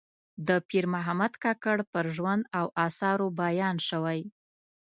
د پیر محمد کاکړ پر ژوند او آثارو بیان شوی.